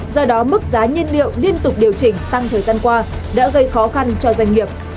do đó mức giá nhiên liệu liên tục điều chỉnh tăng thời gian qua đã gây khó khăn cho doanh nghiệp